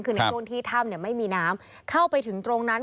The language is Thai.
คือในช่วงที่ถ้ำไม่มีน้ำเข้าไปถึงตรงนั้น